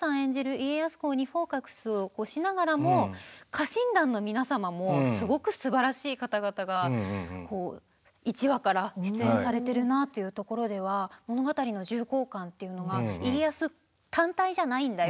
家康公にフォーカスをしながらも家臣団の皆様もすごくすばらしい方々が１話から出演されているなというところでは物語の重厚感というのが家康単体じゃないんだよ